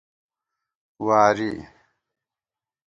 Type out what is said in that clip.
واری